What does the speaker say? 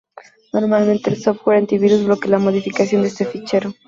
Normalmente el software antivirus bloquea la modificación de este fichero.